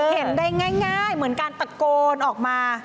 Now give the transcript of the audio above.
เห็นได้ง่ายเหมือนการตะโกนออกมา